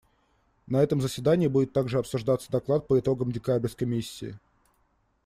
На этом заседании будет также обсуждаться доклад по итогам декабрьской миссии.